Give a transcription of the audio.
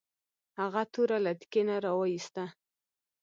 هغه توره له تیکي نه راویوسته.